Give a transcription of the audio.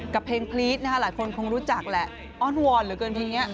กับเพลงพลีดนะคะหลายคนคงรู้จักแหละอ้อนวอนเหลือเกินเพลงนี้